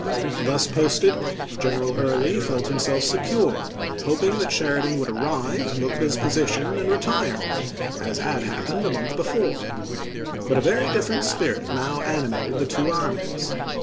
Thus posted, General Early felt himself Early, secure, hoping that Sheridan would arrive, look at "Memoir 7 L ° 7 Yea^o/ISe n^s position, and retire, as had happened a month pfS'.' before. But a very different spirit now animated the two armies.